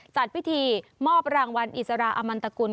จัดพิธีมอบรางวัลอิสราอมันตกุล